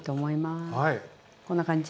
こんな感じ。